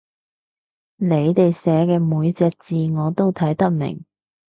你哋寫嘅每隻字我都睇得明